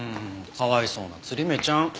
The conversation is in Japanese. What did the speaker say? かわいそうな吊り目ちゃん。